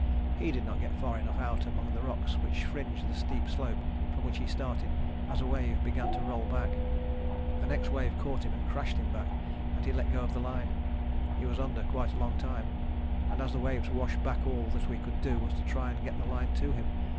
He did not get far enough out among the rocks which fringed the steep slope from which he started as a wave began to roll back. The next wave caught him and crashed him back, and he let go of the line. He was under quite a long time, and as the waves washed back all that we could do was to try and get the line to him.